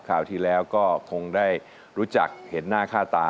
คราวที่แล้วก็คงได้รู้จักเห็นหน้าค่าตา